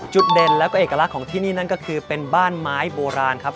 เด่นแล้วก็เอกลักษณ์ของที่นี่นั่นก็คือเป็นบ้านไม้โบราณครับ